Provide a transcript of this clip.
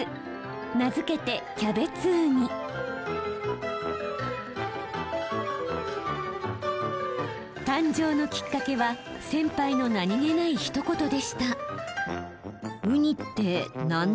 名付けて誕生のきっかけは先輩の何気ないひと言でした。